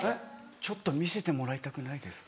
ちょっと見せてもらいたくないですか。